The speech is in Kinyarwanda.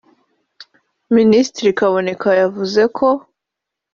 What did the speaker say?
Minisitiri Kaboneka yavuze ko